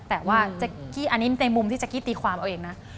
แต่ว่าอันนี้ในมุมที่แจ๊กกี้ตีความเอาเองนะ